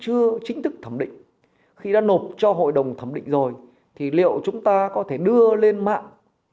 chưa chính thức thẩm định khi đã nộp cho hội đồng thẩm định rồi thì liệu chúng ta có thể đưa lên mạng